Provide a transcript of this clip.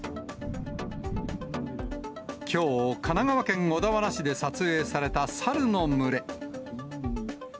きょう、神奈川県小田原市で撮影された、サルの群れ。